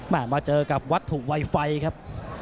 มาเจอกับวัตถุไวไฟครับ